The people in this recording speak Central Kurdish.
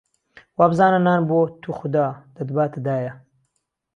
وا بزانه نان بۆ توخودا، دهتباته دایه